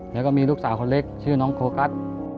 แล้วก็มีลูกสาวคนเล็กชื่อน้องโฟกัส